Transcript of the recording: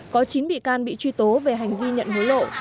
có chín bị can bị truy tố về hành vi nhận hối lộ